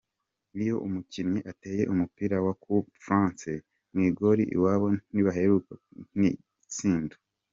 Iyo umukinyi ateye umupira wa "coup franc" mw'igoli iwabo ntibiharugwa nk'igitsindo.